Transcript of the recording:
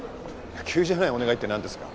急じゃないお願いって何ですか？